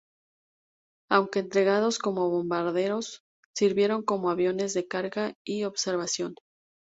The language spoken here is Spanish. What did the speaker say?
Aunque entregados como bombarderos, sirvieron como aviones de carga y observación.